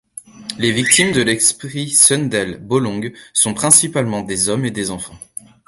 Les victimes de l’esprit Sundel Bolong sont principalement des hommes et des enfants.